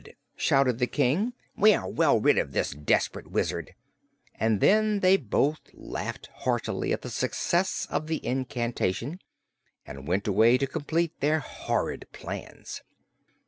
shouted the King. "We are well rid of this desperate wizard." And then they both laughed heartily at the success of the incantation, and went away to complete their horrid plans.